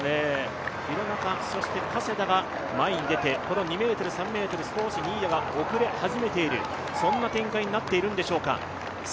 廣中、そして加世田が前に出てこの２ｍ、３ｍ少し新谷が遅れ始めている展開になっているんでしょうか。